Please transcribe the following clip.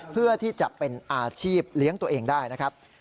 เพื่อที่จะเป็นอาชีพเลี้ยงตัวเองได้นะครับ